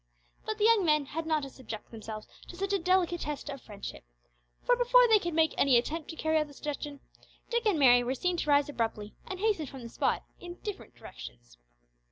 But the young men had not to subject themselves to such a delicate test of friendship, for before they could make any attempt to carry out the suggestion, Dick and Mary were seen to rise abruptly and hasten from the spot in different directions.